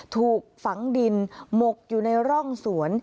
ถูกฝังดินหมกอยู่ในร่องสวน